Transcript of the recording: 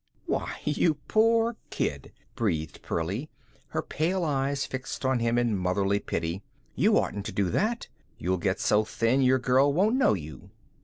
"Why, you poor kid," breathed Pearlie, her pale eyes fixed on him in motherly pity. "You oughtn't to do that. You'll get so thin your girl won't know you."